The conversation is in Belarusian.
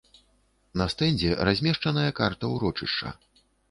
На стэндзе размешчаная карта ўрочышча.